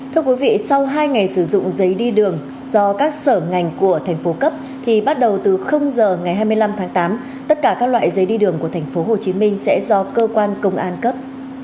thưa quý vị sau hai ngày sử dụng giấy đi đường do các sở ngành của thành phố cấp thì bắt đầu từ giờ ngày hai mươi năm tháng tám tất cả các loại giấy đi đường của tp hcm sẽ do cơ quan công an cấp